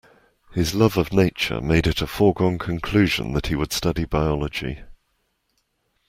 His love of nature made it a foregone conclusion that he would study biology